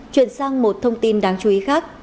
chuyển sang một thông tin đáng chú ý khác